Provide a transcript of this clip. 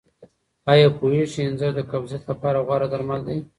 آیا پوهېږئ چې انځر د قبضیت لپاره غوره درمل دي؟